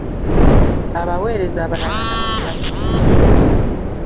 Abaweereza abalala nabo ne batuuka.